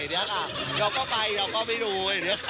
เดี๋ยวเขาไปเดี๋ยวก็ไม่รู้